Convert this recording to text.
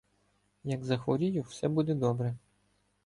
Як захворію, все буде добре.